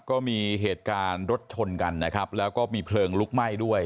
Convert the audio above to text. ก็มีเหตุการณ์รถชนกันนะครับแล้วก็มีเพลิงลุกไหม้ด้วย